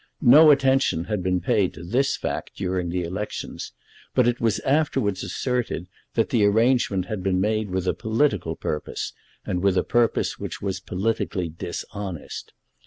No attention had been paid to this fact during the elections, but it was afterwards asserted that the arrangement had been made with a political purpose, and with a purpose which was politically dishonest.